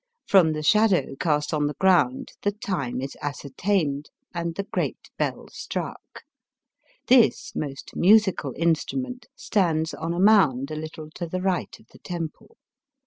From the shadow cast on the ground the time is ascertained and the great bell struck. This most musical instrument stands on a mound a little to the right of the temple.